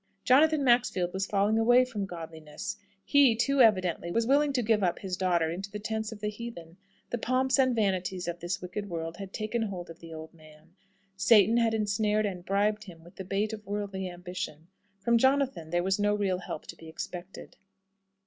Jonathan Maxfield was falling away from godliness. He, too evidently, was willing to give up his daughter into the tents of the heathen. The pomps and vanities of this wicked world had taken hold of the old man. Satan had ensnared and bribed him with the bait of worldly ambition. From Jonathan there was no real help to be expected.